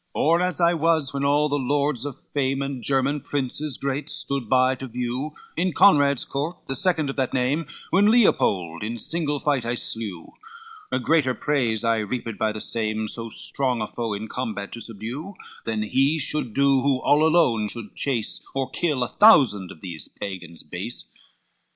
LXIV "Or as I was when all the lords of fame And Germain princes great stood by to view, In Conrad's court, the second of that name, When Leopold in single fight I slew; A greater praise I reaped by the same, So strong a foe in combat to subdue, Than he should do who all alone should chase Or kill a thousand of these Pagans base.